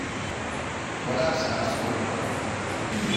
ފޮޅައި ސާފުކުރުމަށް